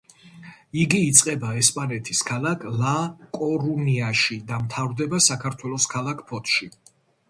იგი იწყება ესპანეთის ქალაქ ლა-კორუნიაში და მთავრდება საქართველოს ქალაქ ფოთში.